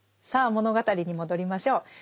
さあ物語に戻りましょう。